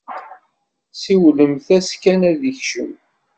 Siwlemt-as kan ad d-ikcem!